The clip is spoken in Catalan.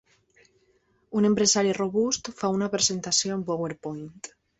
Un empresari robust fa una presentació en PowerPoint